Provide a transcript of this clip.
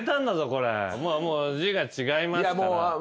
もう字が違いますから。